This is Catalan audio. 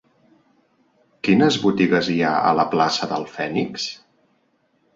Quines botigues hi ha a la plaça del Fènix?